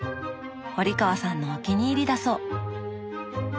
堀川さんのお気に入りだそう。